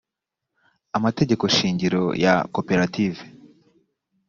amategeko shingiro ya koperative